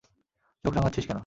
চোখ রাঙাচ্ছিস কেন?